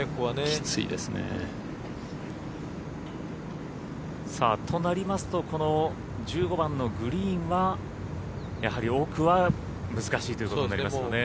きついですね。となりますとこの１５番のグリーンはやはり奥は難しいということになりますね。